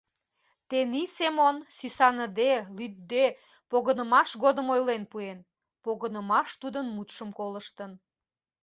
Тений Семон, сӱсаныде-лӱдде, погынымаш годым ойлен пуэн, погынымаш тудын мутшым колыштын.